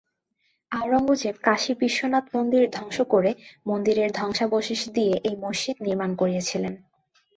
আওরঙ্গজেব কাশী বিশ্বনাথ মন্দির ধ্বংস করে মন্দিরের ধ্বংসাবশেষ দিয়ে এই মসজিদ নির্মাণ করিয়েছিলেন।